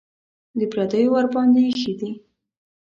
د پردیو ورباندې ایښي دي.